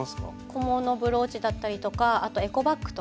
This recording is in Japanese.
小物ブローチだったりとかあとエコバッグとか。